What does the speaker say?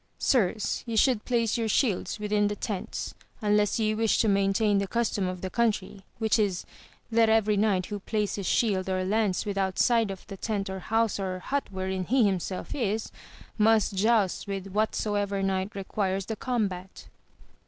Sirs, ye should place your shields within the tents, unless ye wish to maintain the custom of the country, which is, that every knight who places shield or lance with out side of the tent or house or hut wherein he himself is, must joust with whatsoever knight requires the combat.